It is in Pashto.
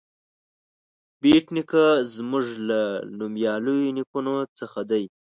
بېټ نیکه زموږ له نومیالیو نیکونو څخه دی.